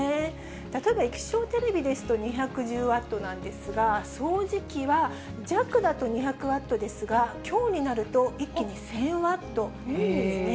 例えば液晶テレビですと２１０ワットなんですが、掃除機は弱だと２００ワットですが、強になると一気に１０００ワットなんですね。